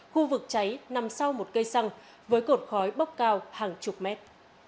khu vực cháy nằm sau một cây xăng với cột khói bốc cao hàng chục mét